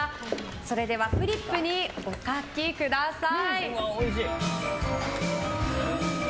それではフリップにお書きください。